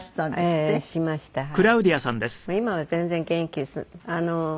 今は全然元気です。